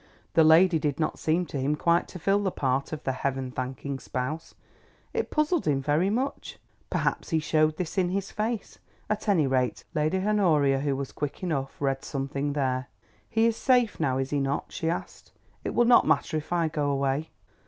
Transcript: The lady did not seem to him quite to fill the part of the Heaven thanking spouse. It puzzled him very much. Perhaps he showed this in his face. At any rate, Lady Honoria, who was quick enough, read something there. "He is safe now, is he not?" she asked. "It will not matter if I go away."